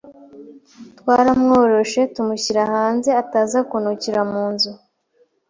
twaramworoshe tumushyira hanze ataza kunukira munzu